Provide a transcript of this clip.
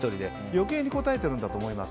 余計にこたえてるんだと思います。